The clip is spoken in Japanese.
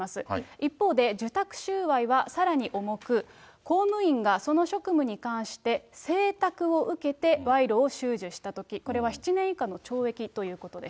一方で受託収賄はさらに重く、公務員がその職務に関して、請託を受けて賄賂を収受したとき、これは７年以下の懲役ということです。